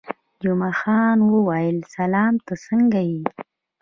جمعه خان وویل: سلام، ته څنګه یې؟